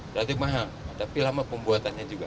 jadi mahal tapi lama pembuatannya juga